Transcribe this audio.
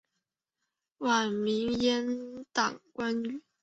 晚明阉党官员。